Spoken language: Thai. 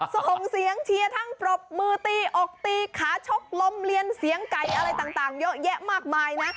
ส่งเสียงเชียร์ทั้งปรบมือตีอกตีขาชกลมเรียนเสียงไก่อะไรต่างเยอะแยะมากมายนะ